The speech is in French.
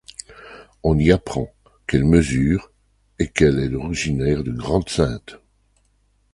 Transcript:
On y a apprend qu'elle mesure et qu'elle est originaire de Grande-Synthe.